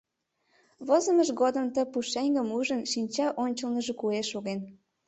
Возымыж годым ты пушеҥгым ужын, шинча ончылныжо куэ шоген.